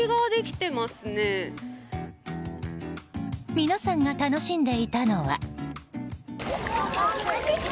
皆さんが楽しんでいたのは。